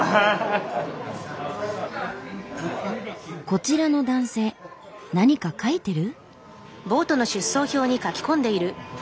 こちらの男性何か書いてる？